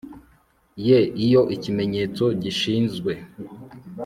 ye iyo ikimenyetso gishinzwe